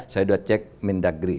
saya sudah cek mindagri